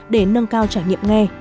để nâng cao trải nghiệm